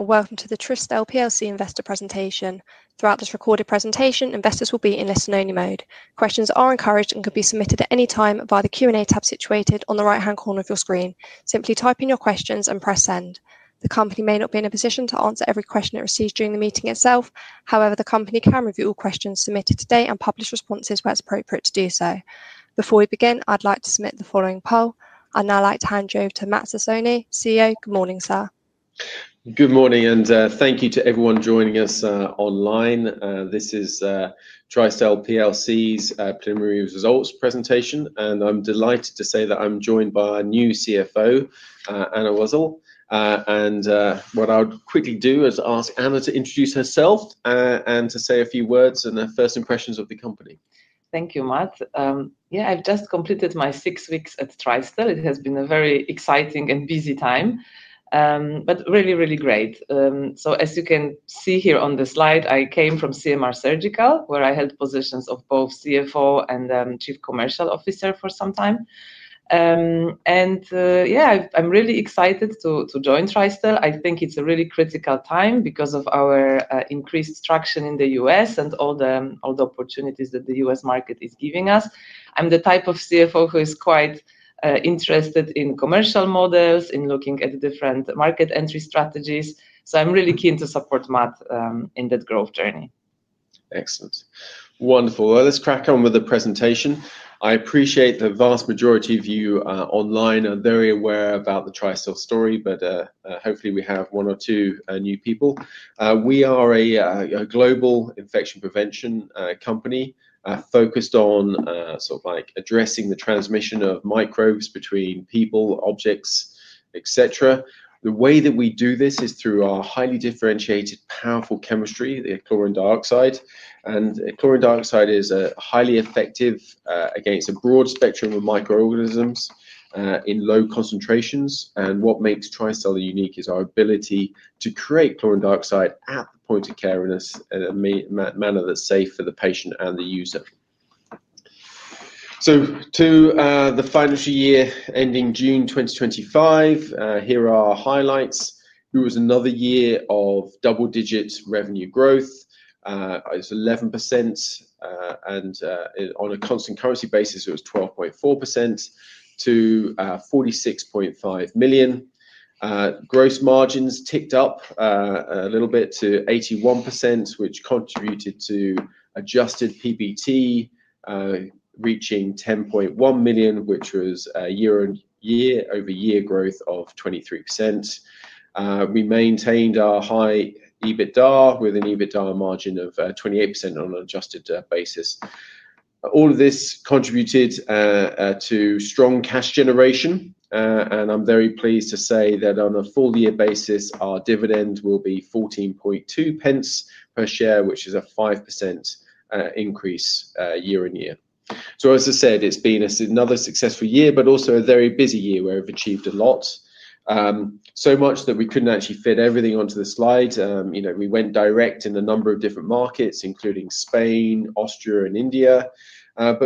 Welcome to the Tristel plc Investor presentation. Throughout this recorded presentation, investors will be in listen only mode. Questions are encouraged and can be submitted at any time via the Q&A tab situated on the right hand corner of your screen. Simply type in your questions and press send. The company may not be in a position to answer every question it receives during the meeting itself. However, the company can review all questions submitted today and publish responses where it's appropriate to do so. Before we begin, I'd like to submit the following poll. I'd now like to hand you over to Matt Sassone, CEO. Good morning, sir. Good morning and thank you to everyone joining us online. This is Tristel plc's preliminary results presentation, and I'm delighted to say that I'm joined by our new CFO, Anna Wasyl. What I'll quickly do is ask Anna to introduce herself and to say a few words and her first impressions of the company. Thank you, Matt. Yeah, I've just completed my six weeks at Tristel. It has been a very exciting and busy time, but really, really great. As you can see here on the slide, I came from CMR Surgical where I held positions of both CFO and Chief Commercial Officer for some time. Yeah, I'm really excited to join Tristel. I think it's a really critical time because of our increased traction in the U.S. and all the opportunities that the U.S. market is giving us. I'm the type of CFO who is quite interested in commercial models in looking at different market entry strategies. I'm really keen to support Matt in that growth journey. Excellent, wonderful. Let's crack on with the presentation. I appreciate the vast majority of you online are very aware about the Tristel story, but hopefully we have one or two new people. We are a global infection prevention company focused on sort of like addressing the transmission of microbes between people, objects, etc. The way that we do this is through our highly differentiated, powerful chemistry, the chlorine dioxide. Chlorine dioxide is highly effective against a broad spectrum of microorganisms in low concentrations. What makes Tristel unique is our ability to create chlorine dioxide at the point of care in a manner that's safe for the patient and the user. To the financial year ending June 2025, here are highlights. It was another year of double-digit revenue growth. It's 11% and on a constant currency basis it was 12.4% to £46.5 million. Gross margins ticked up a little bit to 81%, which contributed to adjusted PBT reaching £10.1 million, which was year-over-year growth of 23%. We maintained our high EBITDA with an adjusted EBITDA margin of 28%. All of this contributed to strong cash generation and I'm very pleased to say that on a full year basis our dividend will be 14.2 pence per share, which is a 5% increase year-over-year. As I said, it's been another successful year, but also a very busy year where we've achieved a lot. So much that we couldn't actually fit everything onto the slide. We went direct in a number of different markets, including Spain, Austria, and India.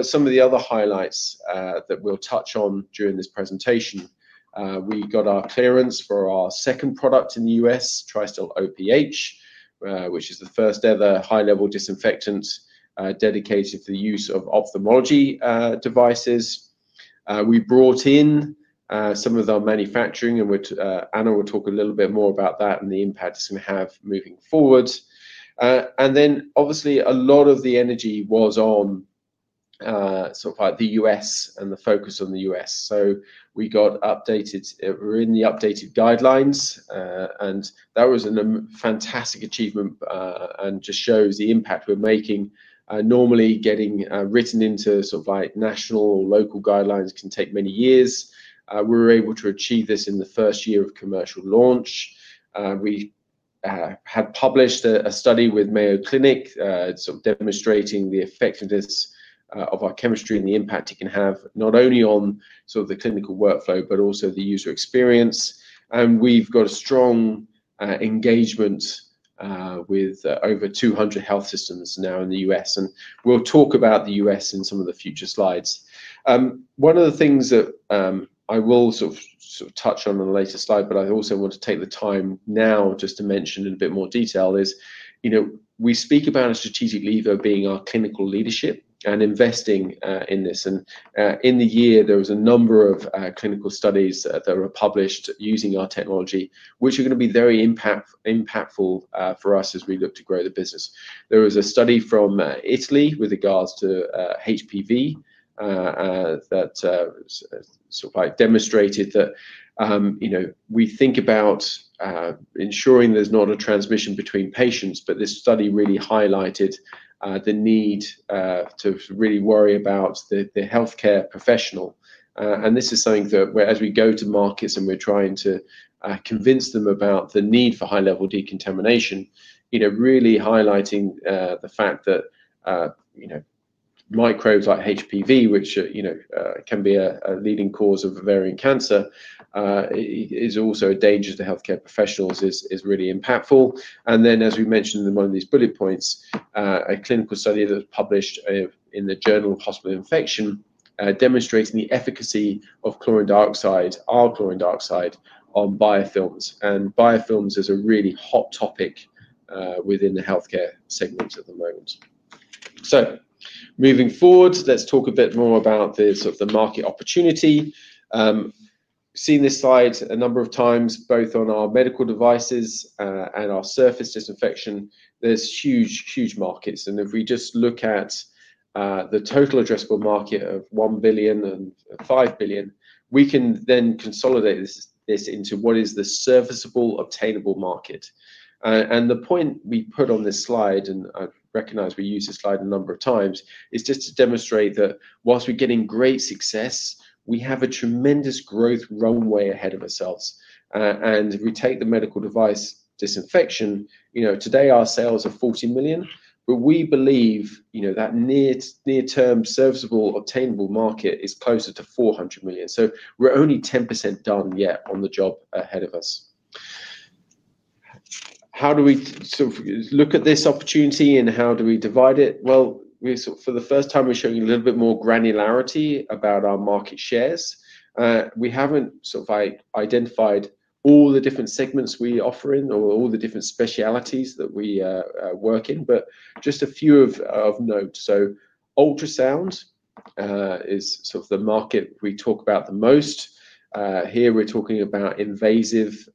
Some of the other highlights that we'll touch on during this presentation: we got our clearance for our second product in the U.S., Tristel OPH, which is the first ever high-level disinfectant dedicated to the use of ophthalmology devices. We brought in some of our manufacturing and Anna will talk a little bit more about that and the impact it's going to have moving forward. Obviously, a lot of the energy was on the U.S. and the focus on the U.S. We got updated, we're in the updated guidelines and that was a fantastic achievement and just shows the impact we're making. Normally, getting written into national or local guidelines can take many years. We were able to achieve this in the first year of commercial launch. We had published a study with Mayo Clinic, demonstrating the effectiveness of our chemistry and the impact it can have not only on the clinical workflow, but also the user experience. We have a strong engagement with over 200 health systems now in the U.S. and we'll talk about the U.S. in some of the future slides. One of the things that I will touch on in a later slide, but I also want to take the time now just to mention in a bit more detail, is we speak about a strategic lever being our clinical leadership and investing in this. In the year there was a number of clinical studies that were published using our technology which are going to be very impactful for us as we look to grow the business. There was a study from Italy with regards to HPV that demonstrated that we think about ensuring there's not a transmission between patients. This study really highlighted the need to really worry about the healthcare professional. This is something that as we go to markets and we're trying to convince them about the need for high-level decontamination, really highlighting the fact that microbes like HPV, which can be a leading cause of ovarian cancer, is also a danger to healthcare professionals, is really impactful. As we mentioned in one of these bullet points, a clinical study was published in the Journal of Hospital Infection demonstrating the efficacy of chlorine dioxide on biofilms. Biofilms is a really hot topic within the healthcare segment at the moment. Moving forward, let's talk a bit more about the market opportunity. Seen this slide a number of times, both on our medical devices and our surface disinfection. There are huge, huge markets. If we just look at the total addressable market of $1 billion and $5 billion, we can then consolidate this into what is the serviceable obtainable market. The point we put on this slide, and I recognize we use this slide a number of times, is just to demonstrate that whilst we're getting great success, we have a tremendous growth runway ahead of ourselves and we take the medical device disinfection. Today our sales are $40 million, but we believe that near-term serviceable obtainable market is closer to $400 million. We're only 10% done yet on the job ahead of us. How do we sort of look at this opportunity and how do we divide it? For the first time we're showing a little bit more granularity about our market shares. We haven't identified all the different segments we offer in or all the different specialties that we work in, but just a few of note. Ultrasound is sort of the market we talk about the most here. We're talking about invasive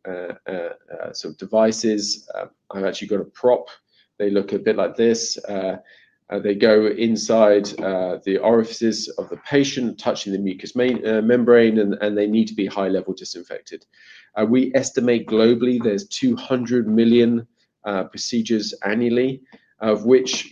devices. I've actually got a prop, they look a bit like this. They go inside the orifices of the patient, touching the mucous membrane, and they need to be high-level disinfected. We estimate globally there's 200 million procedures annually, of which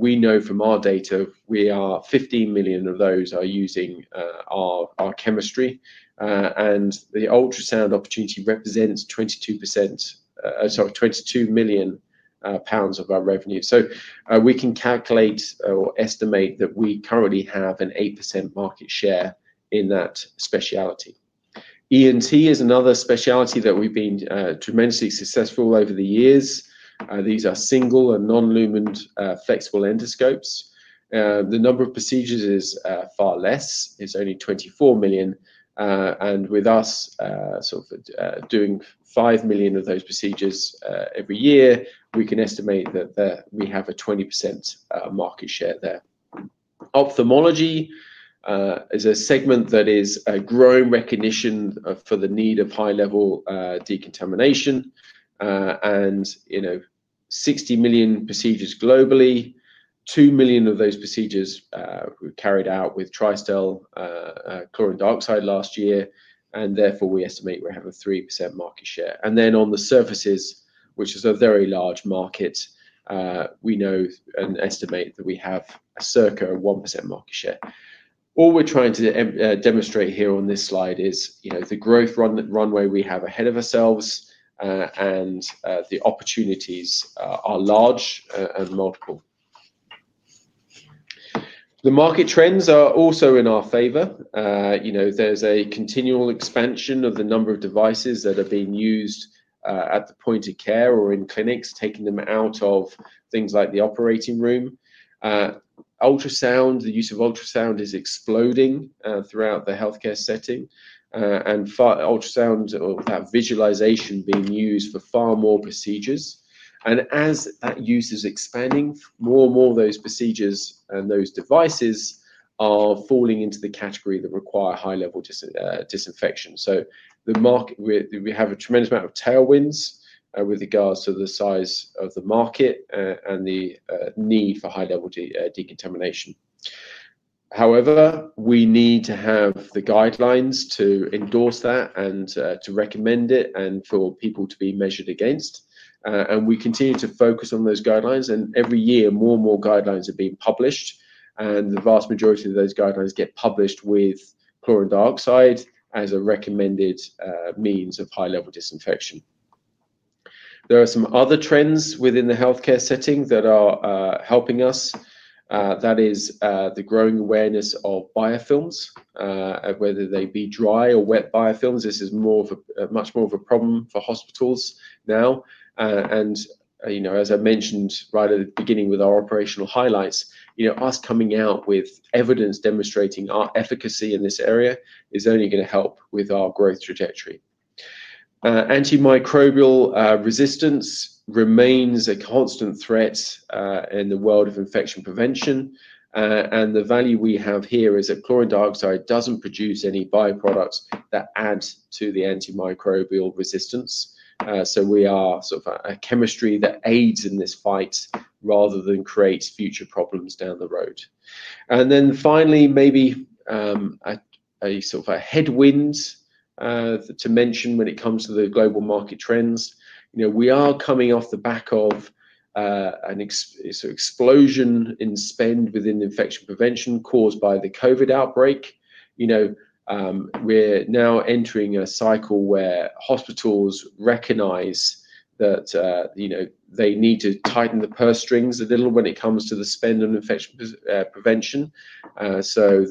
we know from our data, 15 million of those are using our chemistry. The ultrasound opportunity represents £22 million of our revenue. We can calculate or estimate that we currently have an 8% market share. That specialty, ENT, is another specialty that we've been tremendously successful over the years. These are single and non-lumen flexible endoscopes. The number of procedures is far less. It's only 24 million, and with us doing 5 million of those procedures every year, we can estimate that we have a 20% market share there. Ophthalmology is a segment that is a growing recognition for the need of high-level decontamination. You know, 60 million procedures globally, 2 million of those procedures were carried out with Tristel chlorine dioxide last year, and therefore we estimate we have a 3% market share. On the surfaces, which is a very large market, we know and estimate that we have a circa 1% market share. All we're trying to demonstrate here on this slide is the growth runway we have ahead of ourselves, and the opportunities are large and multiple. The market trends are also in our favor. There's a continual expansion of the number of devices that are being used at the point of care or in clinics, taking them out of things like the operating room. Ultrasound, the use of ultrasound is exploding throughout the healthcare setting, and ultrasound visualization being used for far more procedures. As that use is expanding, more and more of those procedures and those devices are falling into the category that require high-level disinfection. The market, we have a tremendous amount of tailwinds with regards to the size of the market and the need for high level decontamination. However, we need to have the guidelines to endorse that and to recommend it and for people to be measured against. We continue to focus on those guidelines, and every year more and more guidelines are being published, and the vast majority of those guidelines get published with chlorine dioxide as a recommended means of high level disinfection. There are some other trends within the healthcare setting that are helping us. That is the growing awareness of biofilms, whether they be dry or wet biofilms. This is much more of a problem for hospitals now. As I mentioned right at the beginning with our operational highlights, us coming out with evidence demonstrating our efficacy in this area is only going to help with our growth trajectory. Antimicrobial resistance remains a constant threat in the world of infection prevention. The value we have here is that chlorine dioxide doesn't produce any byproducts that add to the antimicrobial resistance. We are sort of a chemistry that aids in this fight rather than create future problems down the road. Finally, maybe a sort of a headwind to mention when it comes to the global market trends. We are coming off the back of an explosion in spend within infection prevention caused by the COVID outbreak. We're now entering a cycle where hospitals recognize that they need to tighten the purse strings a little when it comes to the spend on infection prevention. There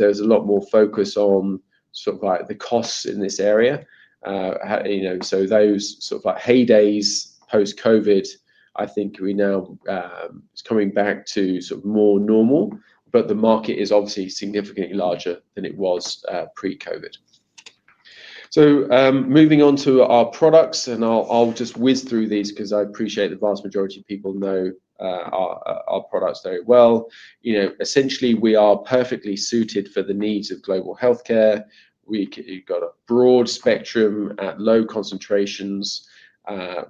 is a lot more focus on the costs in this area. Those heydays post COVID, I think now it's coming back to more normal, but the market is obviously significantly larger than it was pre COVID. Moving on to our products, I'll just whiz through these because I appreciate the vast majority of people know our products very well. Essentially, we are perfectly suited for the needs of global healthcare. We've got a broad spectrum. At low concentrations,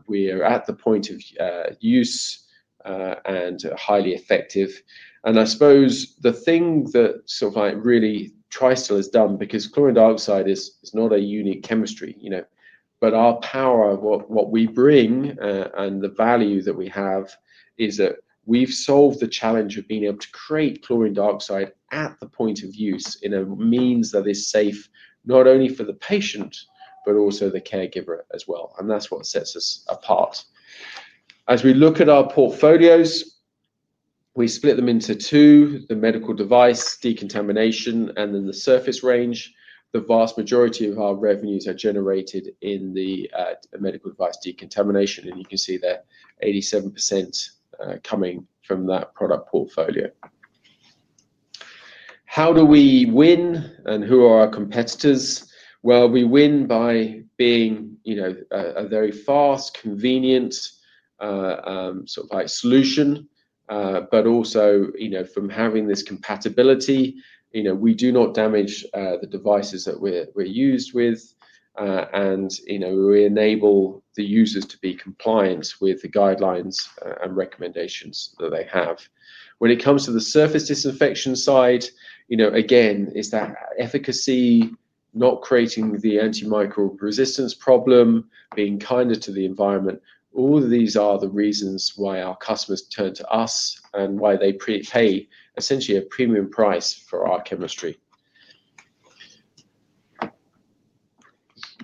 we're at the point of use and highly effective. I suppose the thing that really Tristel has done, because chlorine dioxide is not a unique chemistry, but our power, what we bring and the value that we have is that we've solved the challenge of being able to create chlorine dioxide at the point of use in a means that is safe not only for the patient but also the caregiver as well. That's what sets us apart. As we look at our portfolios, we split them into two: the medical device decontamination and then the surface range. The vast majority of our revenues are generated in the medical device decontamination, and you can see there 87% coming from that product portfolio. How do we win and who are our competitors? We win by being a very fast, convenient solution but also from having this compatibility. We do not damage the devices that we're used with, and we enable the users to be compliant with the guidelines and recommendations that they have. When it comes to the surface disinfection side, again, it is that efficacy, not creating the antimicrobial resistance problem, being kinder to the environment. All these are the reasons why our customers turn to us and why they pay essentially a premium price for our chemistry.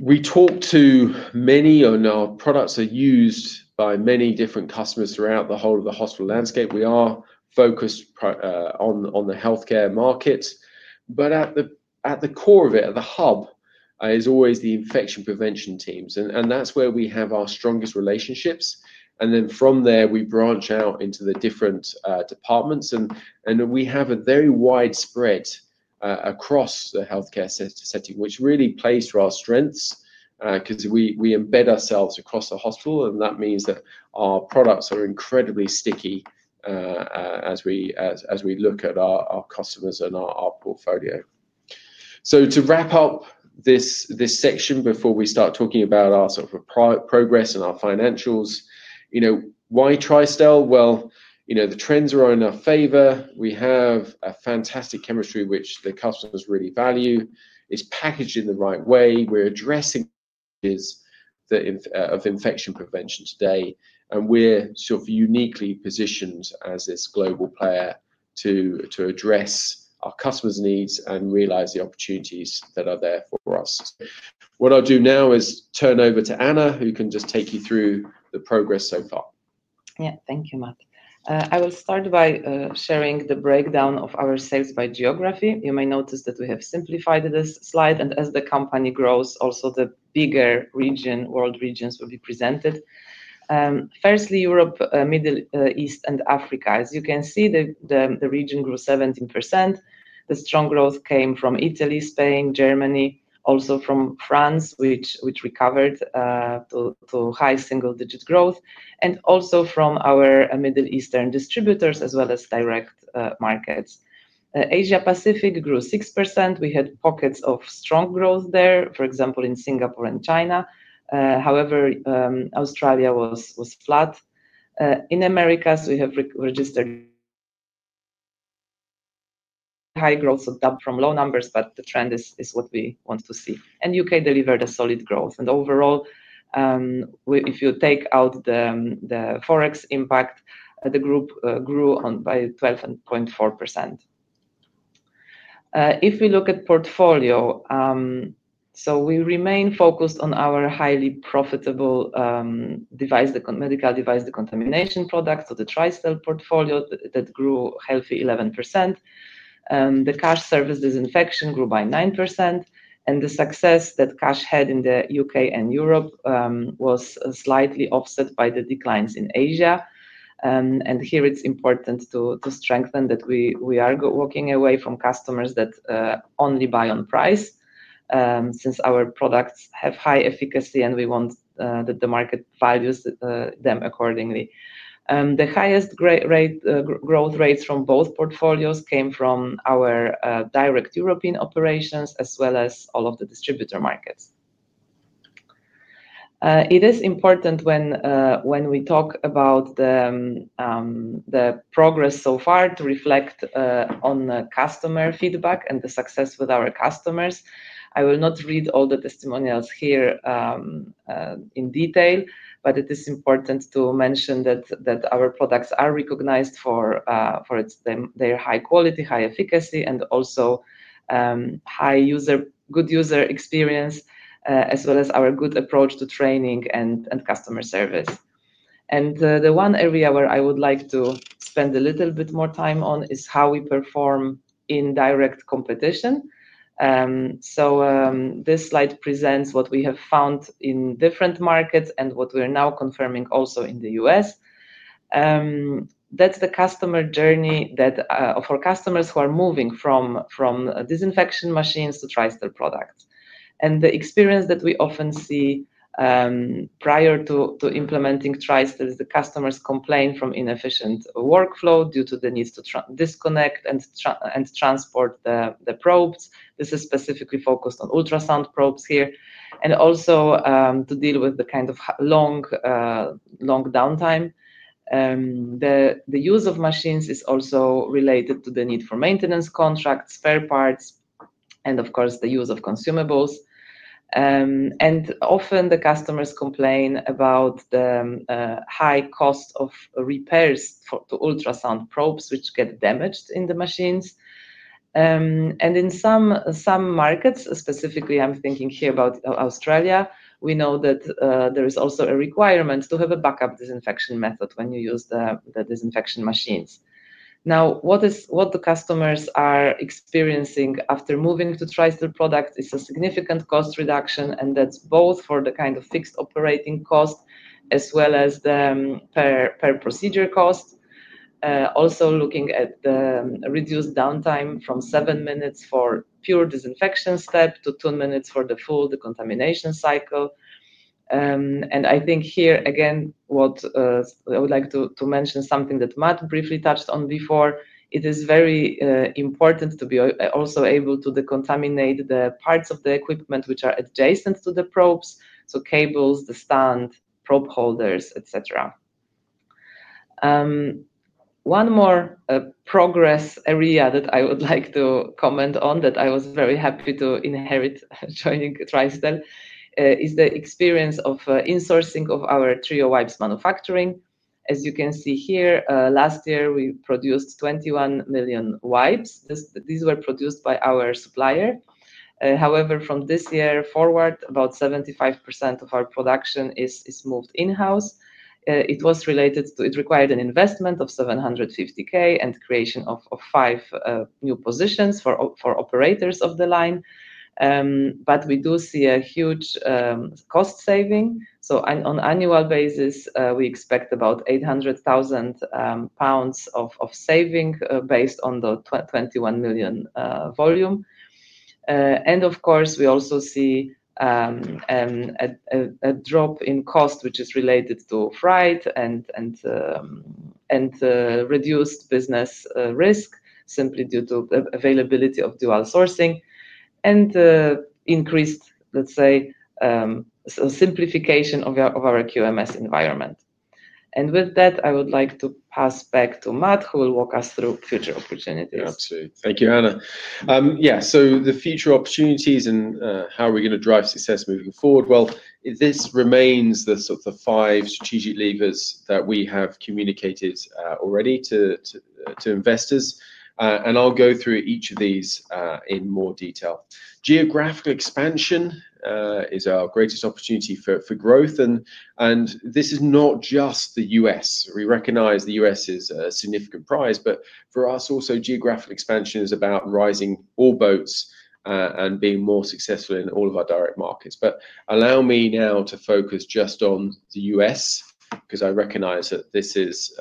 We talk to many, and our products are used by many different customers throughout the whole of the hospital landscape. We are focused on the healthcare market, but at the core of it, at the hub, is always the infection prevention teams, and that's where we have our strongest relationships. From there, we branch out into the different departments, and we have a very widespread presence across the healthcare setting, which really plays to our strengths because we embed ourselves across the hospital, and that means that our products are incredibly sticky as we look at our customers and our portfolio. To wrap up this section before we start talking about our progress and our financials, why Tristel? The trends are in our favor. We have a fantastic chemistry, which the customers really value. It's packaged in the right way, we're addressing infection prevention today, and we're uniquely positioned as this global player to address our customers' needs and realize the opportunities that are there for us. What I'll do now is turn over to Anna, who can just take you through the progress so far. Yeah, thank you, Matt. I will start by sharing the breakdown of our sales by geography. You may notice that we have simplified this slide, and as the company grows, also the bigger world regions will be presented. Firstly, Europe, Middle East, and Africa. As you can see, the region grew 17%. The strong growth came from Italy, Spain, Germany, also from France, which recovered to high single-digit growth, and also from our Middle Eastern distributors as well as direct markets. Asia Pacific grew 6%. We had pockets of strong growth there, for example in Singapore and China. However, Australia was flat. In Americas, we have registered high growth from low numbers, but the trend is what we want to see, and UK delivered a solid growth, and overall, if you take out the Forex impact, the group grew by 12.4%. If we look at portfolio, we remain focused on our highly profitable medical device decontamination products. Of the Tristel portfolio that grew healthy 11%, the Cache surface disinfection grew by 9%, and the success that Cache had in the UK and Europe was slightly offset by the declines in Asia and here. It's important to strengthen that we are walking away from customers that only buy on price since our products have high efficacy, and we want that the market values them accordingly. The highest growth rates from both portfolios came from our direct European operations as well as all of the distributor markets. It is important when we talk about the progress so far to reflect on customer feedback and the success with our customers. I will not read all the testimonials here in detail, but it is important to mention that our products are recognized for their high quality, high efficacy, and also high user, good user experience, as well as our good approach to training and customer service. The one area where I would like to spend a little bit more time on is how we perform in direct competition. This slide presents what we have found in different markets and what we are now confirming. Also in the U.S., that's the customer journey for customers who are moving from disinfection machines to Tristel products and the experience that we often see prior to implementing Tristel. The customers complain from inefficient workflow due to the needs to disconnect and transport the probes. This is specifically focused on ultrasound probes here and also to deal with the kind of long downtime. The use of machines is also related to the need for maintenance contracts, spare parts, and of course the use of consumables, and often the customers complain about the high cost of repairs to ultrasound probes which get damaged in the machines. In some markets, specifically I'm thinking here about Australia, we know that there is also a requirement to have a backup disinfection method when you use the disinfection machines. What the customers are experiencing after moving to Tristel products is a significant cost reduction, and that's both for the kind of fixed operating cost as well as the per procedure cost. Also looking at the reduced downtime from 7 minutes for pure disinfection step to 2 minutes for the full decontamination cycle. I think here again what I would like to mention, something that Matt briefly touched on before, it is very important to be also able to decontaminate the parts of the equipment which are adjacent to the probes, so cables, the stand, probe holders, etc. One more progress area that I would like to comment on that I was very happy to inherit joining Tristel is the experience of insourcing of our Trio Wipes manufacturing. As you can see here, last year we produced 21 million wipes. These were produced by our supplier. However, from this year forward about 75% of our production is moved in house. It required an investment of £750,000 and creation of five new positions for operators of the line. We do see a huge cost savings. On annual basis we expect about £800,000 of saving based on the 21 million volume. We also see a drop in cost which is related to freight and reduced business risk simply due to availability of dual sourcing and increased, let's say, simplification of our QMS environment. With that I would like to pass back to Matt who will walk us through future opportunities. Absolutely. Thank you, Anna. Yeah. The future opportunities and how we're going to drive success moving forward. This remains the sort of five strategic levers that we have communicated already to investors. I'll go through each of these in more detail. Geographical expansion is greatest opportunity for growth. This is not just the U.S. We recognize the U.S. is a significant prize, but for us also geographic expansion is about rising all boats and being more successful in all of our direct markets. Allow me now to focus just on the U.S. because I recognize that this is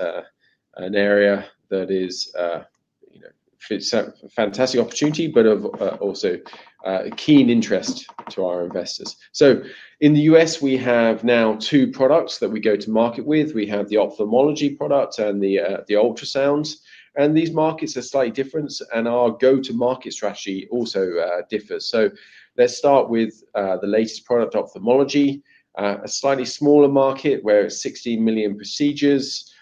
an area that is. A. Fantastic opportunity but also of keen interest to our investors. In the U.S. we have now two products that we go to market with. We have the ophthalmology product and the ultrasound, and these markets are slightly different and our go to market strategy also differs. Let's start with the latest product, ophthalmology, a slightly smaller market where 16 million procedures,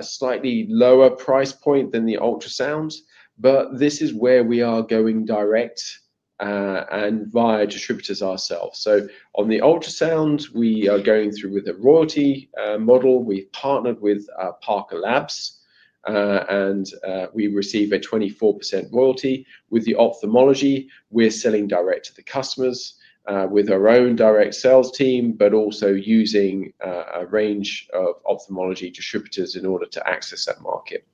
slightly lower price point than the ultrasound. This is where we are going direct and via distributors ourselves. On the ultrasound we are going through with a royalty model. We partnered with Parker Laboratories Inc. and we receive a 24% royalty. With the ophthalmology, we're selling direct to the customers with our own direct sales team, but also using a range of ophthalmology distributors in order to access that market.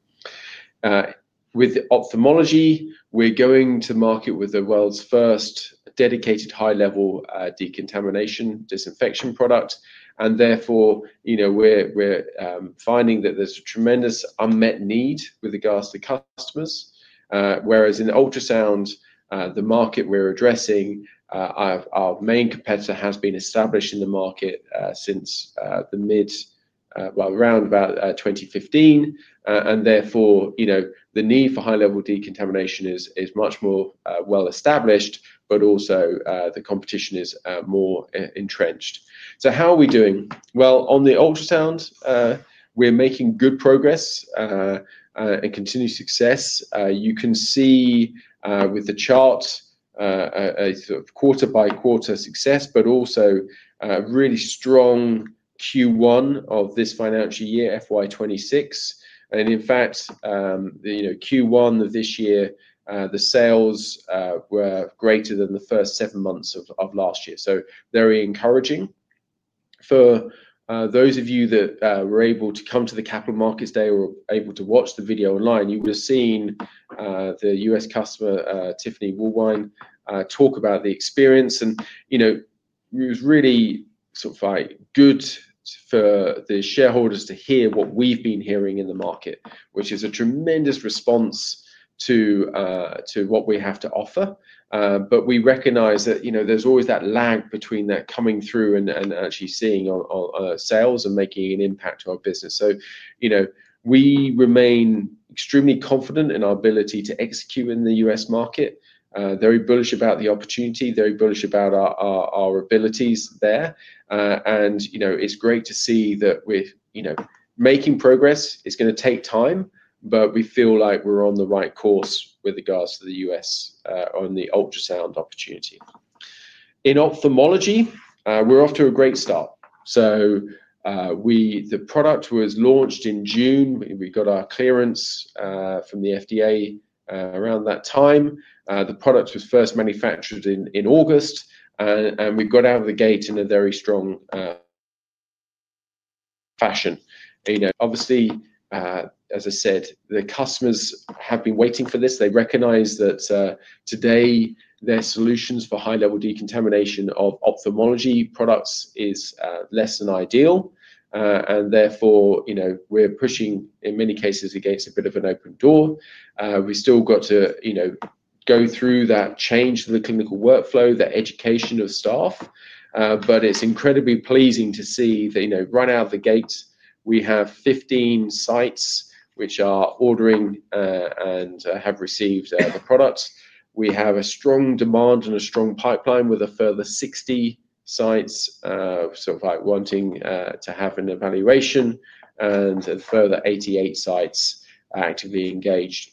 With ophthalmology we're going to market with the world's first dedicated high-level decontamination disinfection product. Therefore, we're finding that there's a tremendous unmet need with regards to customers. Whereas in ultrasound, the market we're addressing, our main competitor has been established in the market since around 2015. Therefore, the need for high-level decontamination is much more well established but also the competition is more entrenched. How are we doing well on the ultrasound? We're making good progress and continued success. You can see with the chart a quarter by quarter success, but also really strong. Q1 of this financial year, FY2026, and in fact Q1 of this year, the sales were greater than the first seven months of last year. Very encouraging. For those of you that were able to come to the capital markets day or able to watch the video online, you would have seen the U.S. customer Tiffany Walwyn talk about the experience and it was really sort of good for the shareholders to hear what we've been hearing in the market, which is a tremendous response to what we have to offer. We recognize that there's always that lag between that coming through and actually seeing sales and making an impact to our business. We remain extremely confident in our ability to execute in the U.S. market. Very bullish about the opportunity, very bullish about our abilities there. It's great to see that we're making progress. It's going to take time, but we feel like we're on the right course with regards to the U.S. on the ultrasound opportunity in ophthalmology. We're off to a great start. The product was launched in June. We got our clearance from the FDA around that time. The product was first manufactured in August, and we got out of the gate in a very strong fashion. Obviously, as I said, the customers have been waiting for this. They recognize that today their solutions for high-level decontamination of ophthalmology products is less than ideal. Therefore, we're pushing in many cases against a bit of an open door. We still have to go through that change to the clinical workflow, the education of staff, but it's incredibly pleasing to see that right out of the gates we have 15 sites which are ordering and have received the products. We have strong demand and a strong pipeline with a further 60 sites wanting to have an evaluation and a further 88 sites actively engaged.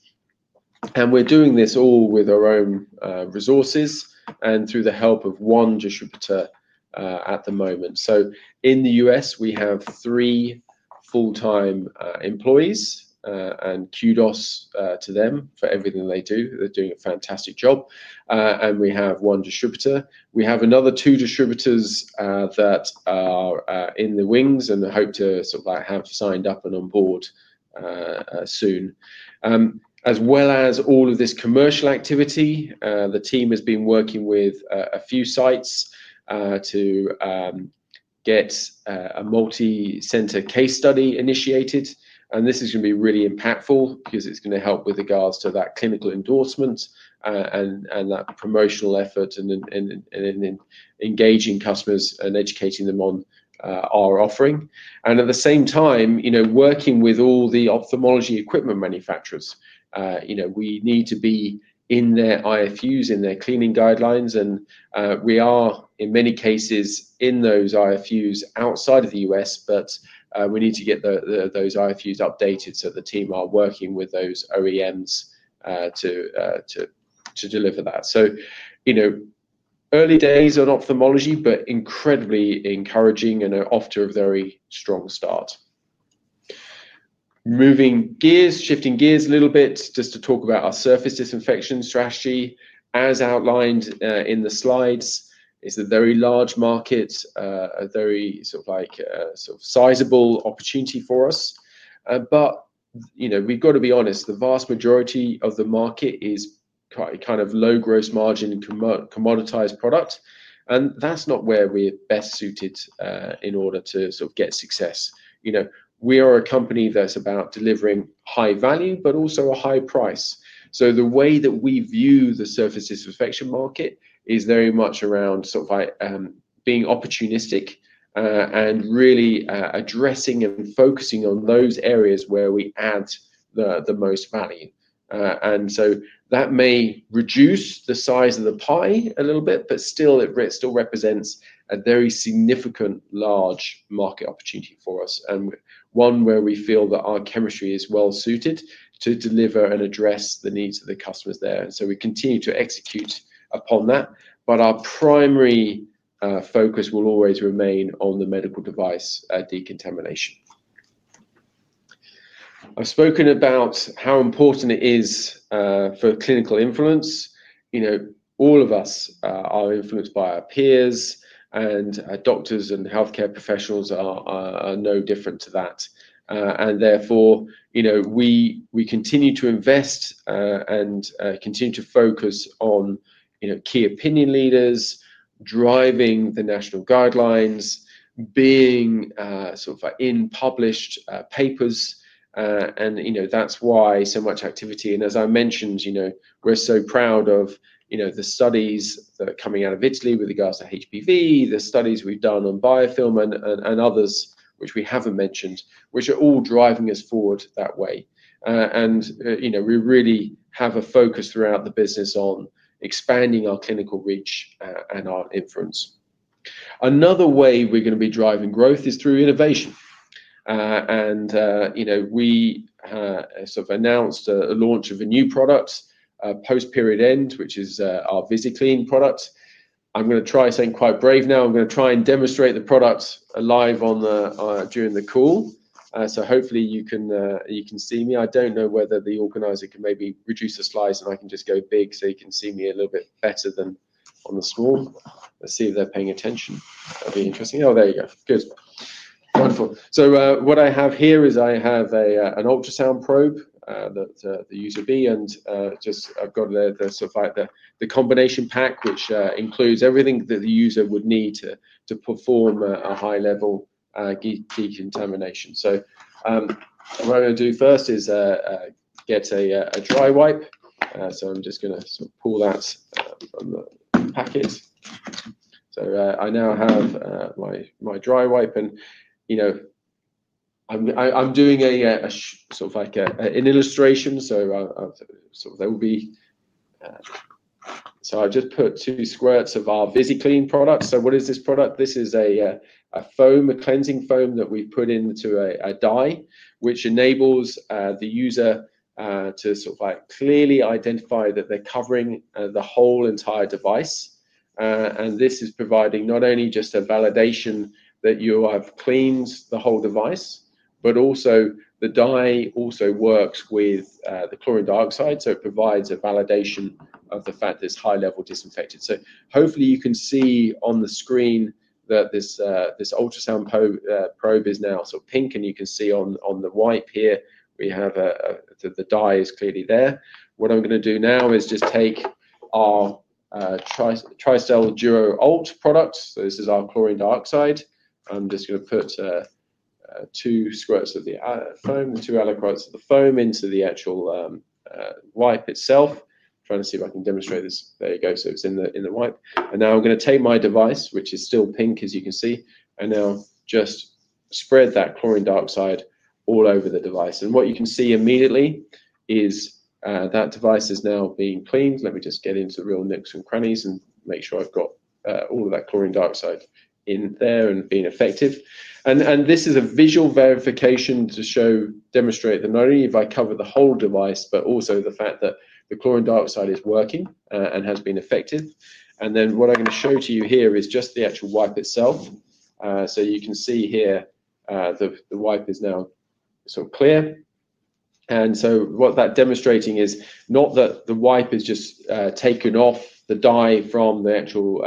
We're doing this all with our own resources and through the help of one distributor at the moment. In the U.S. we have three full-time employees, and kudos to them for everything they do, they're doing a fantastic job. We have one distributor, and we have another two distributors that are in the wings and hope to have signed up and on board soon. As well as all of this commercial activity, the team has been working with a few sites to get a multi-center case study initiated. This is going to be really impactful because it's going to help with regards to that clinical endorsement and that promotional effort and engaging customers and educating them on our offering. At the same time, working with all the ophthalmology equipment manufacturers, we need to be in their IFUs, in their cleaning guidelines, and we are in many cases in those IFUs outside of the U.S., but we need to get those IFUs updated. The team are working with those OEMs to deliver that. Early days on ophthalmology but incredibly encouraging and off to a very strong start. Moving gears, shifting gears a little bit just to talk about our surface disinfection strategy. As outlined in the slides, it is a very large market, a very sizable opportunity for us. We have to be honest, the vast majority of the market is kind of low gross margin commoditized product, and that's not where we're best suited in order to get success. We are a company that's about delivering high value but also a high price. The way that we view the surface disinfection market is very much around being opportunistic and really addressing and focusing on those areas where we add the most value. That may reduce the size of the pie a little bit, but it still represents a very significant large market opportunity for us and one where we feel that our chemistry is well suited to deliver and address the needs of the customers there. We continue to execute upon that. Our primary focus will always remain on the medical device decontamination. I've spoken about how important it is for clinical influence. All of us are influenced by our peers and doctors and healthcare professionals are no different to that. Therefore, we continue to invest and continue to focus on key opinion leaders driving the national guidelines, being in published papers. That's why so much activity. As I mentioned, we're so proud of the studies that are coming out of Italy with regards to HPV, the studies we've done on biofilms and others which we haven't mentioned, which are all driving us forward that way. We really have a focus throughout the business on expanding our clinical reach and our influence. Another way we're going to be driving growth is through innovation. We announced a launch of a new product post period end, which is our VisiClean product. I'm going to try something quite brave now. I'm going to try and demonstrate the products live during the call. Hopefully you can see me. I don't know whether the organizer can maybe reduce the slides and I can just go big so you can see me a little bit better than on the small. Let's see if they're paying attention. That'd be interesting. Oh, there you go. Good, wonderful. What I have here is I have an ultrasound probe that the user would be using and I've got the combination pack which includes everything that the user would need to perform a high-level decontamination. What I'm going to do first is get a dry wipe. I'm just going to pull that packet. I now have my dry wipe and I'm doing an illustration. I just put two squirts of our VisiClean product. What is this product? This is a foam, a cleansing foam that we put into a dye which enables the user to clearly identify that they're covering the whole entire device. This is providing not only just a validation that you have cleaned the whole device, but also the dye also works with the chlorine dioxide. It provides a validation of the fact that it's high-level disinfectant. Hopefully you can see on the screen that this ultrasound probe is now so pink. You can see on the white here we have the dye is clearly there. What I'm going to do now is just take our Tristel Duo ULT product. This is our chlorine dioxide. I'm just going to put two squirts of the foam, two aliquots of the foam into the actual wipe itself. Trying to see if I can demonstrate this. There you go. It's in the wipe. Now I'm going to take my device, which is still pink, as you can see, and now just spread that chlorine dioxide all over the device. What you can see immediately is that device is now being cleaned. Let me just get into real nooks and crannies and make sure I've got all of that chlorine dioxide in there and being effective. This is a visual verification to demonstrate that not only if I cover the whole device, but also the fact that the chlorine dioxide is working and has been effective. What I'm going to show to you here is just the actual wipe itself. You can see here the wipe is now so clear, and what that is demonstrating is not that the wipe has just taken off the dye from the actual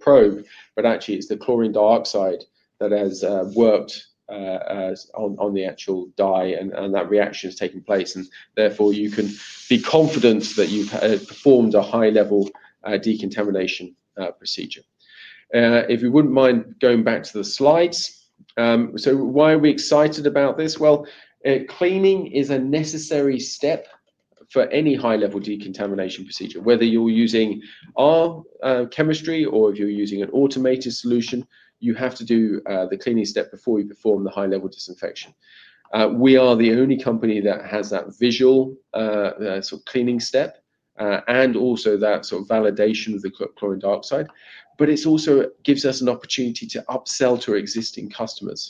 probe, but actually it's the chlorine dioxide that has worked on the actual dye and that reaction is taking place. Therefore, you can be confident that you've performed a high-level decontamination procedure. If you wouldn't mind going back to the slides. Cleaning is a necessary step for any high-level decontamination procedure, whether you're using our chemistry or if you're using an automated solution. You have to do the cleaning step before you perform the high-level disinfection. We are the only company that has that visual cleaning step and also that sort of validation of the chlorine dioxide. It also gives us an opportunity to upsell to existing customers.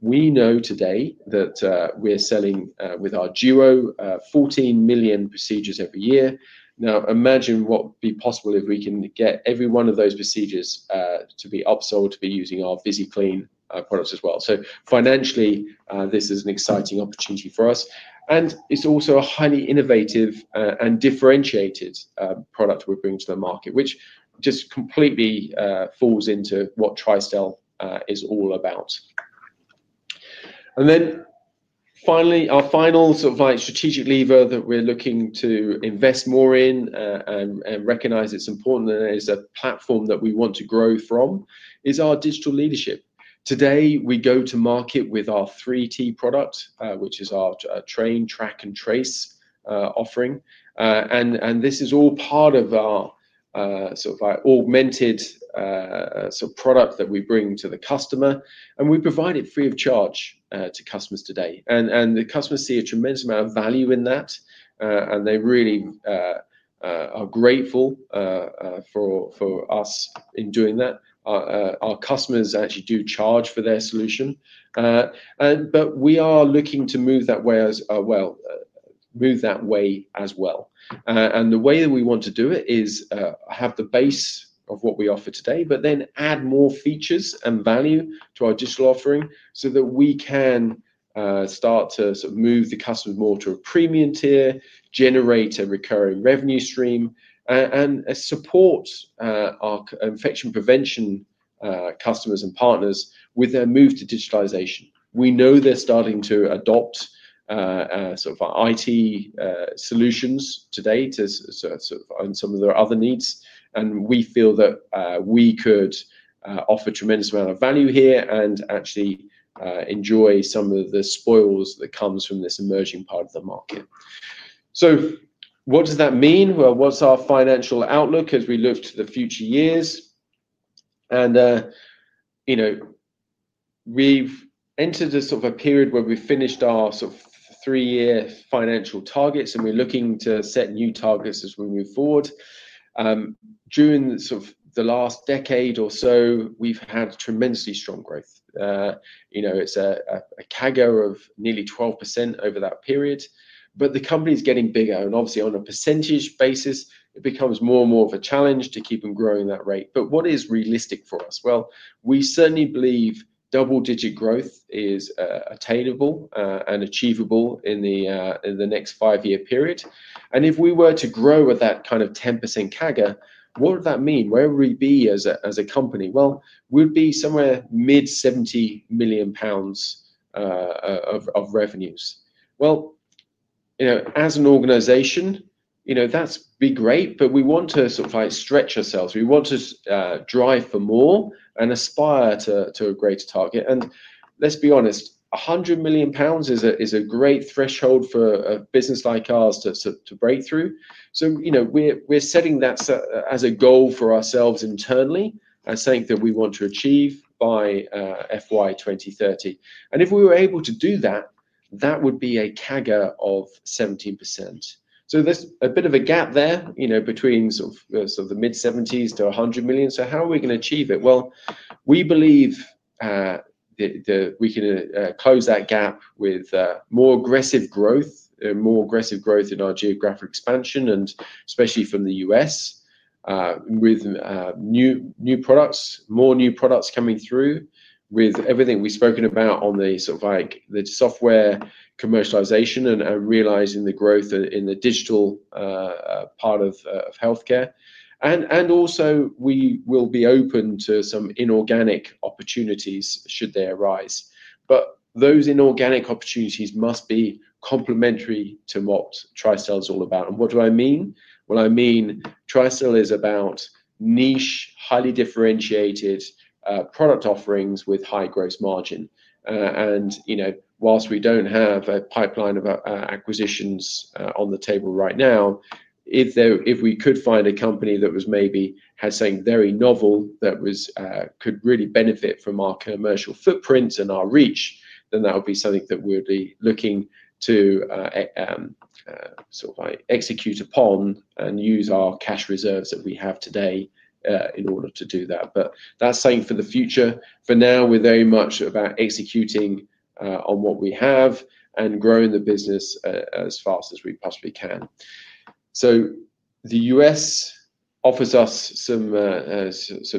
We know today that we're selling with our Duo 14 million procedures every year. Imagine what would be possible if we can get every one of those procedures to be upsold, to be using our VisiClean products as well. Financially, this is an exciting opportunity for us. It is also a highly innovative and differentiated product we bring to the market, which just completely falls into what Tristel is all about. Finally, our final strategic lever that we're looking to invest more in and recognize is important as a platform that we want to grow from is our digital leadership. Today we go to market with our 3T product, which is our track and trace offering. This is all part of our augmented product that we bring to the customer, and we provide it free of charge to customers today. The customers see a tremendous amount of value in that, and they really are grateful for us in doing that. Our competitors actually do charge for their solution, but we are looking to move that way as well. The way that we want to do it is have the base of what we offer today, but then add more features and value to our digital offering so that we can start to move the customer more to a premium tier, generate a recurring revenue stream, and support our infection prevention customers and partners with their move to digitalization. We know they're starting to adopt sort of our IT solutions to date as some of their other needs. We feel that we could offer a tremendous amount of value here and actually enjoy some of the spoils that come from this emerging part of the market. What does that mean? What is our financial outlook as we look to the future years? We've entered a period where we finished our three-year financial targets, and we're looking to set new targets as we move forward. During the last decade or so, we've had tremendously strong growth. It's a CAGR of nearly 12% over that period. The company is getting bigger, and obviously on a percentage basis it becomes more and more of a challenge to keep growing at that rate. What is realistic for us? We certainly believe double-digit growth is attainable and achievable in the next five-year period. If we were to grow with that kind of 10% CAGR, what would that mean? Where would we be as a company? We would be somewhere mid £70 million of revenues. As an organization, that would be great, but we want to stretch ourselves. We want to drive for more and aspire to a greater target. £100 million is a great threshold for a business like ours to break through. You know, we're setting that as a goal for ourselves internally that we want to achieve by FY 2030. If we were able to do that, that would be a CAGR of 17%. There's a bit of a gap there between the mid-70s to $100 million. How are we going to achieve it? We believe we can close that gap with more aggressive growth, more aggressive growth in our geographic expansion and especially from the U.S. with new products, more new products coming through with everything we've spoken about on the software commercialization and realizing the growth in the digital part of healthcare. We will be open to some inorganic opportunities should they arise. Those inorganic opportunities must be complementary to what Tristel is all about. What do I mean? Tristel is about niche, highly differentiated product offerings with high gross margin. Whilst we don't have a pipeline of acquisitions on the table right now, if we could find a company that maybe had something very novel that could really benefit from our commercial footprint and our reach, that would be something that we would be looking to execute upon and use our cash reserves that we have today in order to do that. That's saying for the future. For now, we're very much about executing on what we have and growing the business as fast as we possibly can. The U.S. offers us some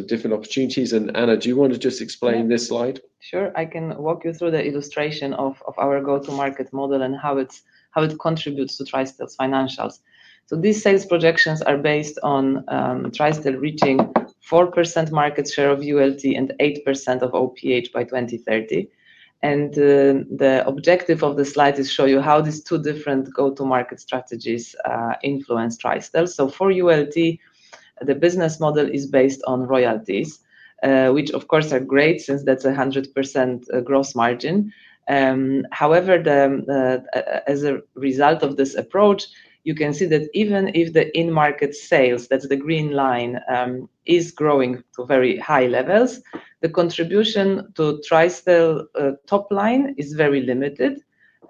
different opportunities. Anna, do you want to just explain this slide? Sure. I can walk you through the illustration of our go to market model and how it contributes to Tristel's financials. These sales projections are based on Tristel reaching 4% market share of ULT and 8% of OPH by 2030. The objective of the slide is to show you how these two different go to market strategies influence Tristel. For ULT the business model is based on royalties, which of course are great since that's 100% gross margin. However, as a result of this approach you can see that even if the in market sales, that's the green line, is growing to very high levels, the contribution to Tristel top line is very limited.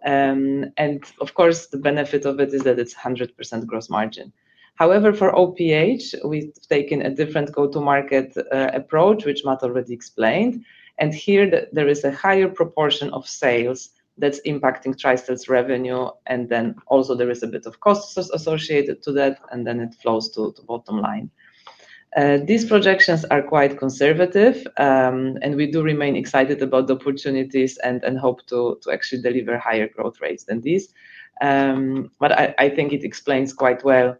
Of course the benefit of it is that it's 100% gross margin. For OPH we've taken a different go to market approach, which Matt already explained, and here there is a higher proportion of sales that's impacting Tristel's revenue and then also there is a bit of cost associated to that and then it flows to the bottom line. These projections are quite conservative and we do remain excited about the opportunities and hope to actually deliver higher growth rates than these. I think it explains quite well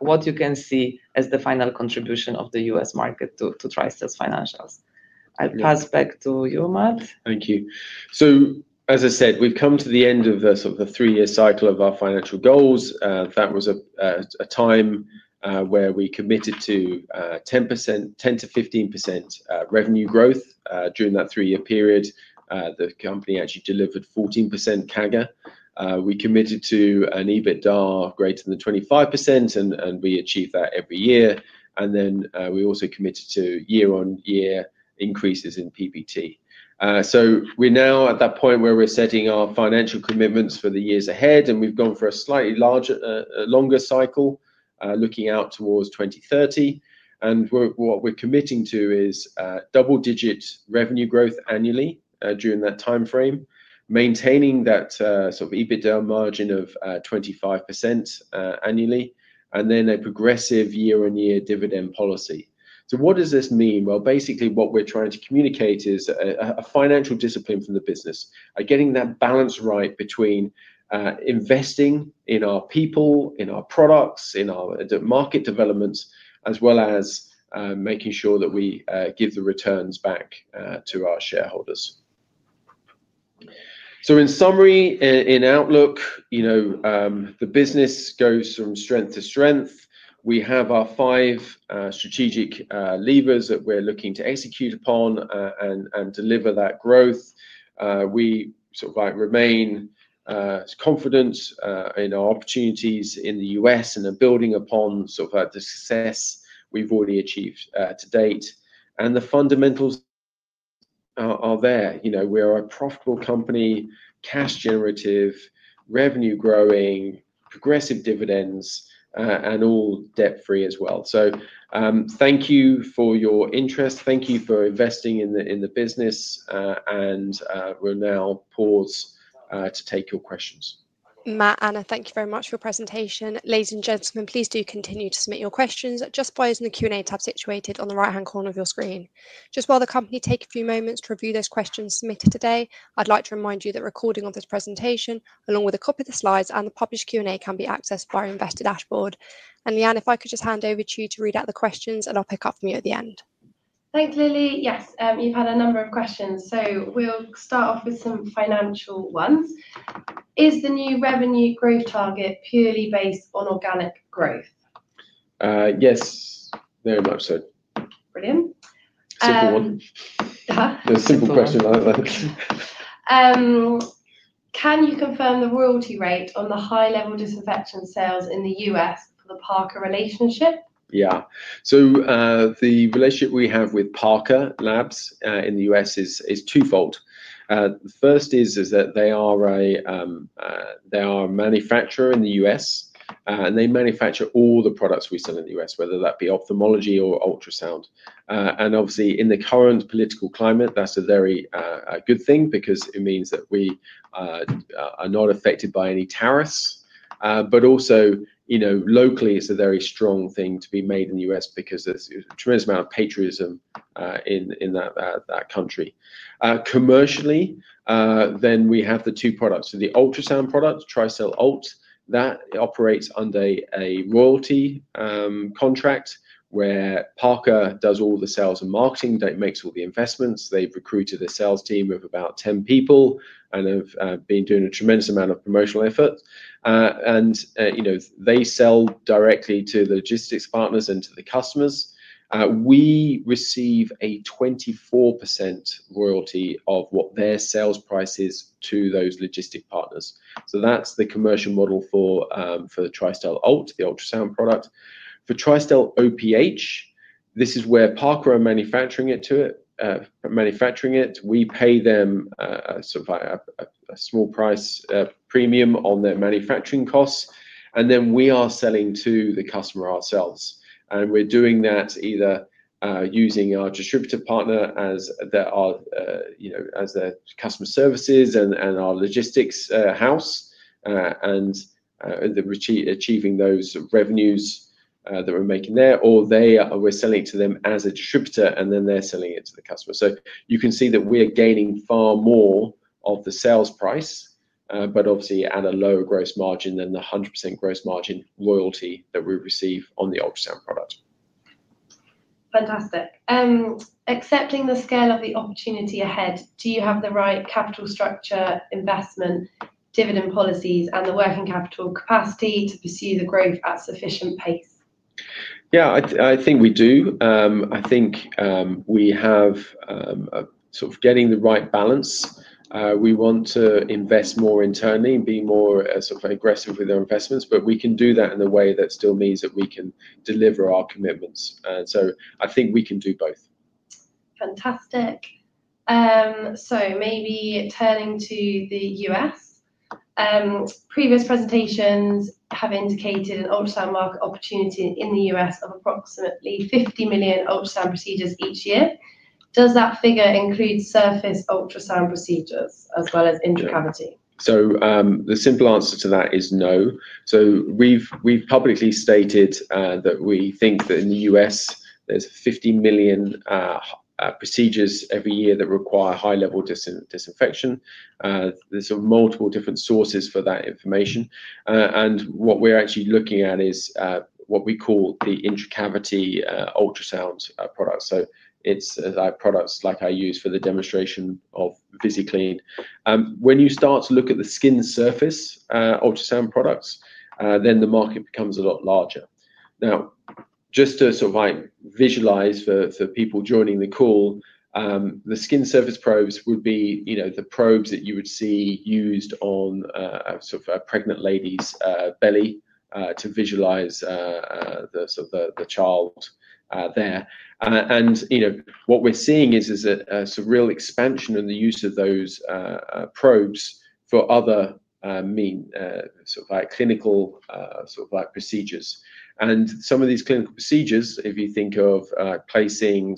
what you can see as the final contribution of the U.S. market to Tristel's financials. I'll pass back to you Matt. Thank you. As I said, we've come to the end of the three-year cycle of our financial goals. That was a time where we committed to 10% to 15% revenue growth. During that three-year period, the company actually delivered 14% CAGR. We committed to an EBITDA greater than 25%, and we achieved that every year. We also committed to year-on-year increases in PBT. We're now at that point where we're setting our financial commitments for the years ahead, and we've gone for a slightly longer cycle looking out towards 2030. What we're committing to is double-digit revenue growth annually during that time frame, maintaining that sort of EBITDA margin of 25% annually, and then a progressive year-on-year dividend policy. What does this mean? Basically, what we're trying to communicate is a financial discipline from the business, getting that balance right between investing in our people, in our products, in our market developments, as well as making sure that we give the returns back to our shareholders. In summary, in outlook, the business goes from strength to strength. We have our five strategic levers that we're looking to execute upon and deliver that growth. We remain confident in our opportunities in the U.S. and are building upon the success we've already achieved to date. The fundamentals are there. We are a profitable company, cash generative, revenue growing, progressive dividends, and all debt free as well. Thank you for your interest, thank you for investing in the business, and we'll now pause to take your questions. Matt, Anna, thank you very much for your presentation. Ladies and gentlemen, please do continue to submit your questions just by using the Q and A tabs. It is situated on the right hand corner of your screen just while the company take a few moments to review those questions submitted today. I'd like to remind you that recording of this presentation along with a copy of the slides and the published Q and A can be accessed by our Investor Dashboard. Lianne, if I could just hand over to you to read out the questions and I'll pick up from you at the end. Thanks, Lily. Yes, you've had a number of questions, so we'll start off with some financial ones. Is the new revenue growth target purely based on organic growth? Yes, very much so. Brilliant. Can you confirm the royalty rate on the high-level disinfection sales in the U.S. for the Parker relationship? Yeah. The relationship we have with Parker Laboratories Inc. in the U.S. is twofold. First is that they are a manufacturer in the U.S. and they manufacture all the products we sell in the U.S., whether that be ophthalmology or ultrasound. Obviously, in the current political climate that's a very good thing because it means that we are not affected by any tariffs, but also locally it's a very strong thing to be made in the U.S. because there's a tremendous amount of patriotism in that country commercially. We have the two products, the ultrasound product, Tristel ULT, that operates under a royalty contract where Parker does all the sales and marketing, that makes all the investments. They've recruited a sales team of about 10 people and have been doing a tremendous amount of promotional effort. They sell directly to the logistics partners and to the customers. We receive a 24% royalty of what their sales price is to those logistics partners. That's the commercial model for the Tristel ULT, the ultrasound product. For Tristel OPH, this is where Parker are manufacturing it. We pay them a small price premium on their manufacturing costs and then we are selling to the customer ourselves. We're doing that either using our distributor partner as their customer services and our logistics house and achieving those revenues that we're making there, or we're selling to them as a distributor and then they're selling it to the customer. You can see that we are gaining far more of the sales price, but obviously at a lower gross margin than the 100% gross margin royalty that we receive on the ultrasound product. Fantastic. Accepting the scale of the opportunity ahead, do you have the right capital structure, investment dividend policies, and the working capital capacity to pursue the growth at sufficient pace? Yeah, I think we do. I think we have sort of getting the right balance. We want to invest more internally and be more aggressive with their investments. We can do that in a way that still means that we can deliver our commitments. I think we can do both. Fantastic. Maybe turning to the U.S., previous presentations have indicated an ultrasound market opportunity in the U.S. of approximately $50 million ultrasound procedures each year. Does that figure include surface ultrasound procedures as well as intracavity? The simple answer to that is no. We've publicly stated that we think that in the U.S. there's 50 million procedures every year that require high-level disinfection. There are multiple different sources for that information. What we're actually looking at is what we call the intracavity ultrasound products. It's products like I used for the demonstration of VisiClean. When you start to look at the skin surface ultrasound products, the market becomes a lot larger. Just to sort of visualize for people joining the call, the skin surface probes would be the probes that you would see used on a pregnant lady's belly to visualize the child there. What we're seeing is a real expansion in the use of those probes for other clinical procedures. Some of these clinical procedures, if you think of placing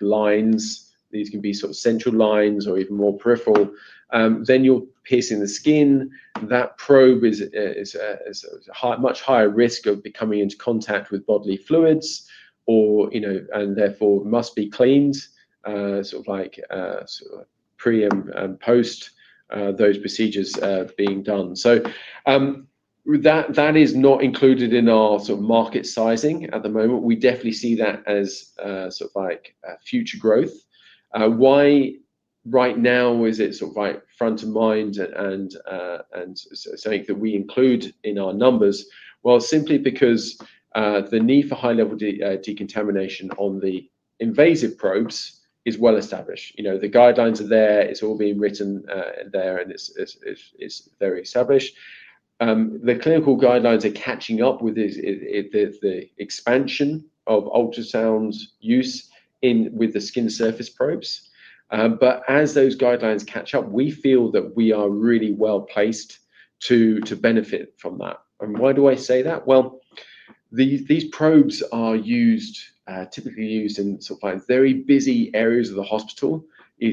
lines, these can be central lines or even more peripheral, then you're piercing the skin. That probe is at much higher risk of coming into contact with bodily fluids and therefore must be cleaned pre and post those procedures being done. That is not included in our market sizing at the moment. We definitely see that as future growth. Why right now is it not front of mind and something that we include in our numbers? Simply because the need for high-level decontamination on the invasive probes is well established. The guidelines are there, it's all being written, and it's very established. The clinical guidelines are catching up with the expansion of ultrasound use with the skin surface probes. As those guidelines catch up, we feel that we are really well placed to benefit from that. Why do I say that? These probes are typically used in very busy areas of the hospital.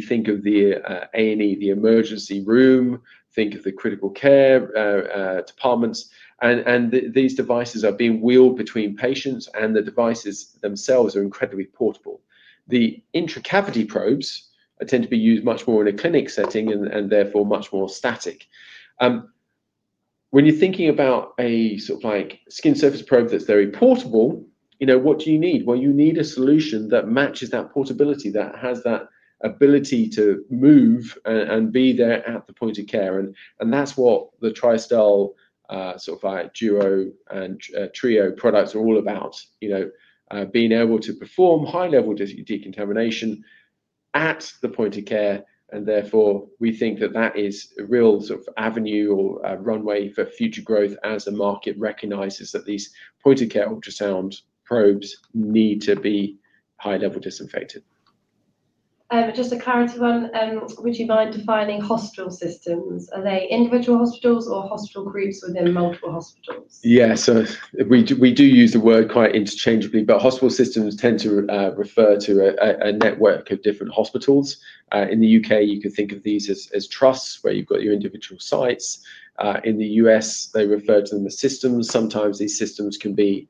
Think of the A&E, the emergency room, think of the critical care departments, and these devices are being wheeled between patients. The devices themselves are incredibly portable. The intracavity probes tend to be used much more in a clinic setting and therefore much more static. When you're thinking about a skin surface probe that's very portable, what do you need? You need a solution that matches that portability, that has the ability to move and be there at the point of care. That's what the Tristel Duo and Trio products are all about, being able to perform high-level decontamination at the point of care. We think that is a real avenue or runway for future growth as the market recognizes that these point-of-care ultrasound probes need to be high-level disinfected. Just a clarity one. Would you mind defining hospital systems? Are they individual hospitals or hospital groups within multiple hospitals? Yes, we do use the word quite interchangeably, but hospital systems tend to refer to a network of different hospitals. In the UK you can think of these as trusts, where you've got your individual sites. In the U.S. they refer to them as systems. Sometimes these systems can be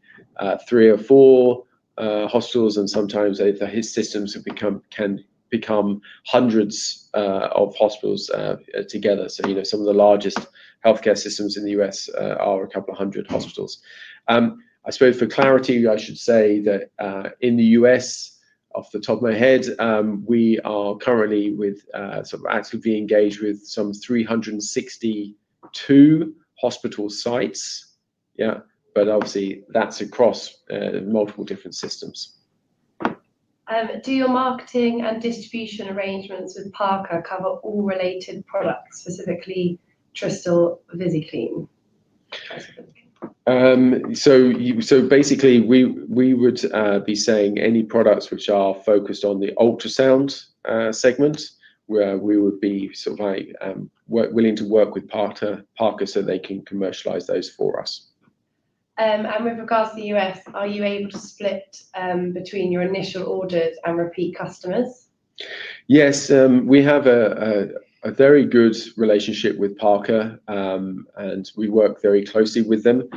three or four hospitals and sometimes the systems can become hundreds of hospitals together. Some of the largest healthcare systems in the U.S. are a couple of hundred hospitals. I suppose for clarity, I should say that in the U.S., off the top of my head, we are currently sort of actively engaged with some 362 hospital sites. Yeah, but obviously that's across multiple different systems. Do your marketing and distribution arrangements with Parker cover all related products, specifically Tristel VisiClean. We would be saying any products which are focused on the ultrasound segment where we would be willing to work with Parker so they can commercialize those for us. With regards to the U.S., are you able to split between your initial orders and repeat customers? Yes, we have a very good relationship with Parker and we work very closely with them.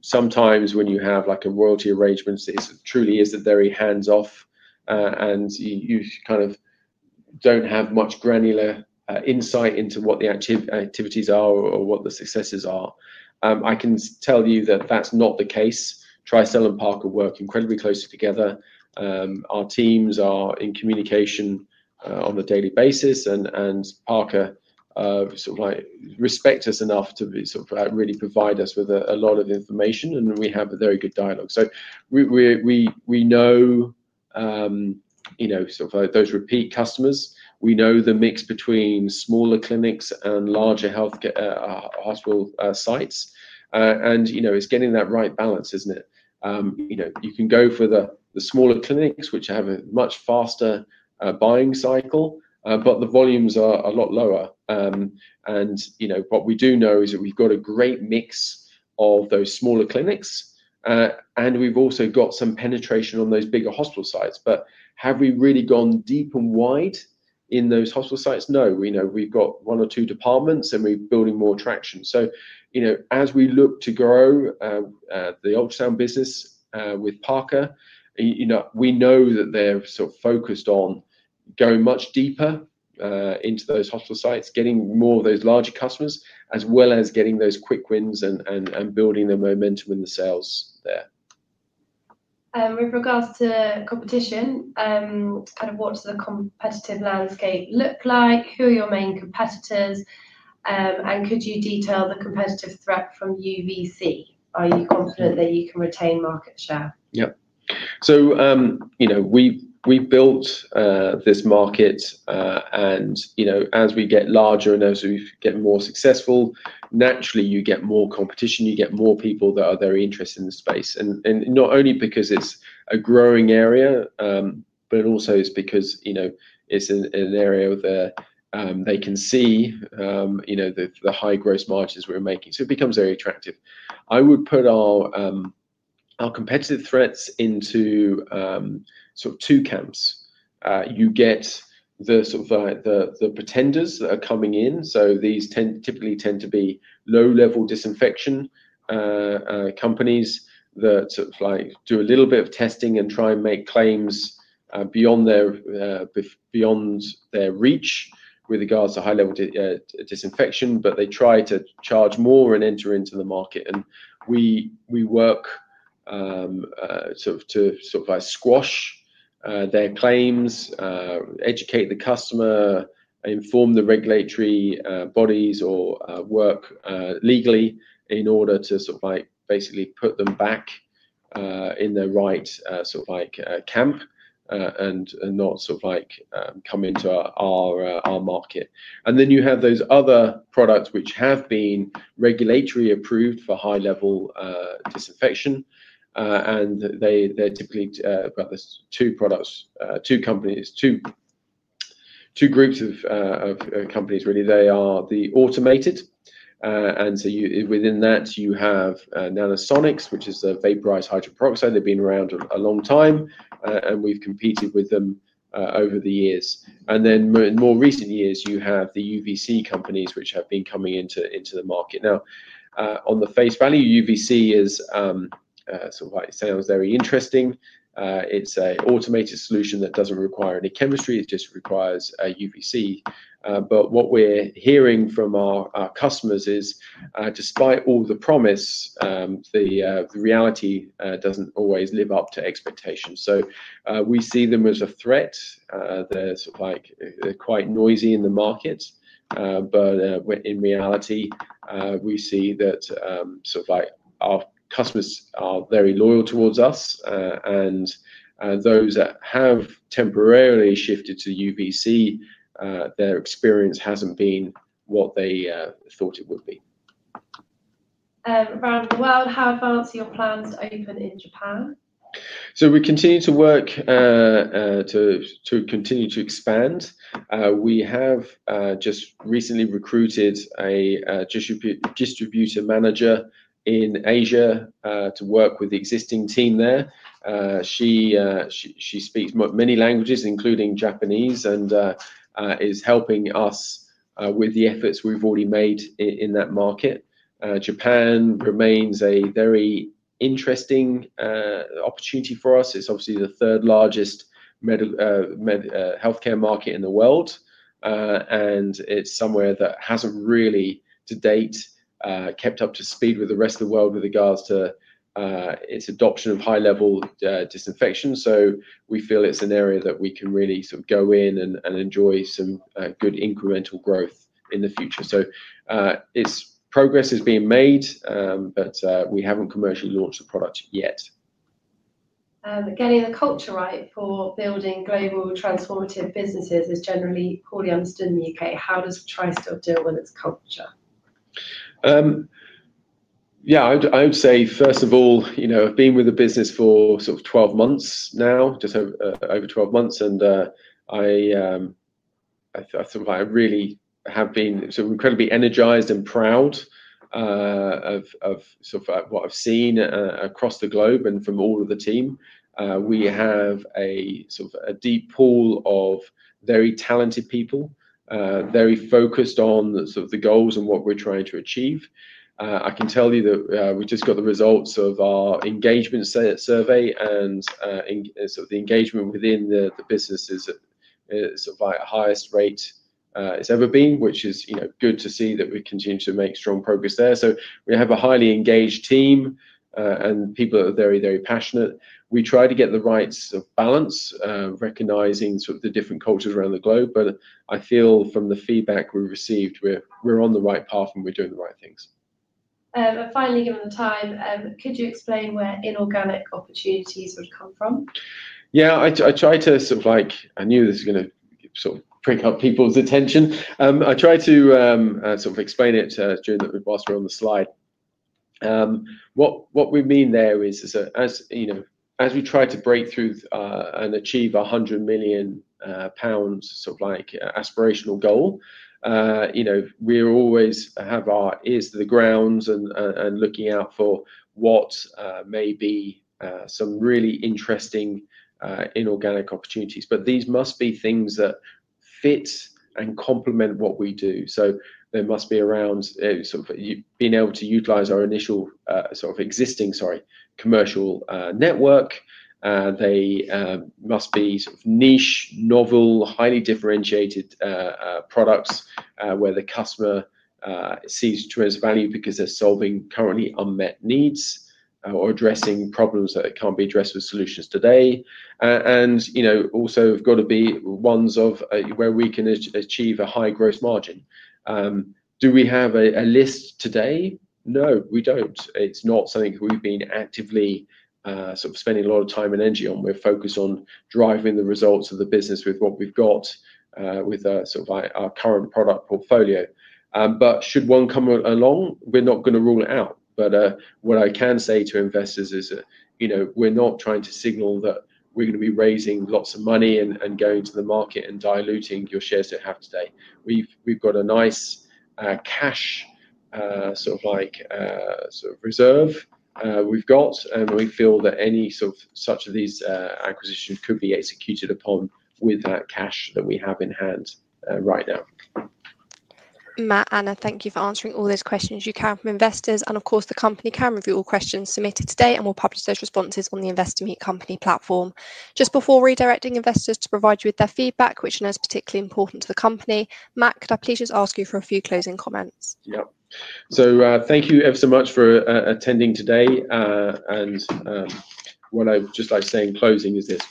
Sometimes when you have a royalty arrangement, it truly is very hands off and you kind of don't have much granular insight into what the activities are or what the successes are. I can tell you that that's not the case. Tristel and Parker work incredibly closely together. Our teams are in communication on a daily basis and Parker respects us enough to really provide us with a lot of information and we have a very good dialogue. We know those repeat customers. We know the mix between smaller clinics and larger hospital sites. It's getting that right balance, isn't it? You can go for the smaller clinics which have a much faster buying cycle, but the volumes are a lot lower. What we do know is that we've got a great mix of those smaller clinics and we've also got some penetration on those bigger hospital sites. Have we really gone deep and wide in those hospital sites? No. We know we've got one or two departments and we're building more traction. As we look to grow the ultrasound business with Parker, we know that they're so focused on going much deeper into those hospital sites, getting more of those larger customers as well as getting those quick wins and building the momentum in the sales there. With regards to competition, what's the competitive landscape look like? Who are your main competitors, and could you detail the competitive threat from UV-C? Are you confident that you can retain market share? Yeah. We built this market and as we get larger and as we get more successful, naturally you get more competition. You get more people that are very interested in the space, not only because it's a growing area, but also because it's an area where they can see the high gross margins we're making. It becomes very attractive. I would put our competitive threats into two camps. You get the pretenders that are coming in; these typically tend to be low-level disinfection companies that do a little bit of testing and try and make claims beyond their reach with regards to high-level disinfection. They try to charge more and enter into the market, and we work to squash their claims, educate the customer, inform the regulatory bodies, or work legally in order to basically put them back in the right camp and not come into our market. Then you have those other products which have been regulatory approved for high-level disinfection, and they're typically two products, two companies, two groups of companies really. They are the automated, and within that you have Nanosonics, which is the vaporized hydrogen peroxide. They've been around a long time and we've competed with them over the years. In more recent years, you have the UV-C companies which have been coming into the market. On the face value, UV-C sounds very interesting. It's an automated solution that doesn't require any chemistry, it just requires a UV-C. What we're hearing from our customers is despite all the promise, the reality doesn't always live up to expectations. We see them as a threat. They're quite noisy in the market. In reality, we see that our customers are very loyal towards us, and those that have temporarily shifted to UV-C, their experience hasn't been what they thought it would be. Around the world, how advanced are your plans to open in Japan? We continue to work to expand. We have just recently recruited a Distributor Manager, Asia, to work with the existing team there. She speaks many languages, including Japanese, and is helping us with the efforts we've already made in that market. Japan remains a very interesting opportunity for us. It's obviously the third largest healthcare market in the world, and it's somewhere that hasn't really to date kept up to speed with the rest of the world with regards to its adoption of high-level disinfection. We feel it's an area that we can really go in and enjoy some good incremental growth in the future. Progress is being made, but we haven't commercially launched the product yet. Getting the culture right for building global transformative businesses is generally poorly understood in the UK. How does Tristel deal with its culture? Yeah, I would say first of all, you know, I've been with the business for sort of 12 months now, just over 12 months, and I really have been incredibly energized and proud of what I've seen across the globe. From all of the team, we have a deep pool of very talented people, very focused on the goals and what we're trying to achieve. I can tell you that we just got the results of our engagement survey, and the engagement within the business is at the highest rate it's ever been, which is good to see that we continue to make strong progress there. We have a highly engaged team, and people are very, very passionate. We try to get the right sort of balance, recognizing the different cultures around the globe. I feel from the feedback we received we're on the right path, and we're doing the right things. Finally, given the time, could you explain where inorganic opportunities would come from? Yeah, I tried to sort of, like, I knew this was going to prick up people's attention. I tried to sort of explain it during the, whilst we're on the slide. What we mean there is, as you know, as we try to break through and achieve £100 million sort of, like, aspirational goal, you know, we always have our ears to the ground and looking out for what may be some really interesting inorganic opportunities. These must be things that fit, complement what we do. They must be around being able to utilize our initial, sort of, existing, sorry, commercial network. They must be niche, novel, highly differentiated products where the customer sees tremendous value because they're solving currently unmet needs or addressing problems that can't be addressed with solutions today, and, you know, also have got to be ones where we can achieve a high gross margin. Do we have a list today? No, we don't. It's not something we've been actively spending a lot of time and energy on. We're focused on driving the results of the business with what we've got with our current product portfolio. Should one come along, we're not going to rule it out. What I can say to investors is, you know, we're not trying to signal that we're going to be raising lots of money and going to the market and diluting your shares that you have today. We've got a nice cash, sort of, like, reserve we've got, and we feel that any such of these acquisitions could be executed upon with that cash that we have in hand right now. Matt, Anna, thank you for answering all those questions you can from investors. The company can review all questions submitted today and will publish those responses on the Investor Meet Company platform just before redirecting investors to provide you with their feedback, which I know is particularly important to the company. Matt, could I please just ask you for a few closing comments. Thank you ever so much for attending today, and what I just like to say in closing is this.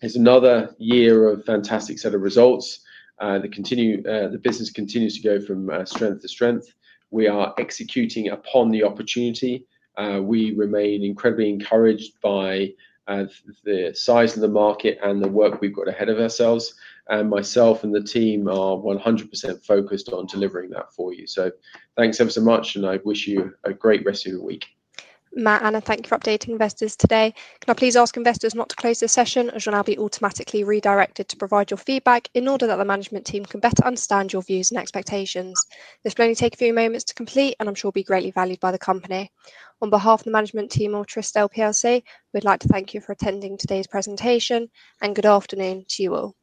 It's another year of a fantastic set of results. The business continues to go from strength to strength. We are executing upon the opportunity. We remain incredibly encouraged by the size of the market and the work we've got ahead of ourselves, and myself and the team are 100% focused on delivering that for you. Thank you ever so much, and I wish you a great rest of your week. Matt, and Anna, thank you for updating investors today. Can I please ask investors not to close this session as you'll now be automatically redirected to provide your feedback in order that the management team can better understand your views and expectations. This will only take a few moments to complete and I'm sure be greatly valued by the company. On behalf of the management team of Tristel plc, we'd like to thank you for attending today's presentation and good afternoon to you all.